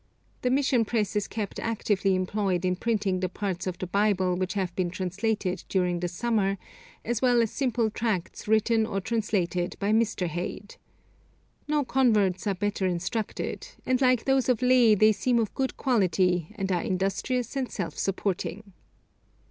The mission press is kept actively employed in printing the parts of the Bible which have been translated during the summer, as well as simple tracts written or translated by Mr. Heyde. No converts are better instructed, and like those of Leh they seem of good quality, and are industrious and self supporting.